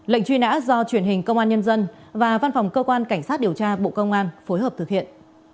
lệnh truy nã do truyền hình công an nhân dân và văn phòng cơ quan cảnh sát điều tra bộ công an phối hợp thực hiện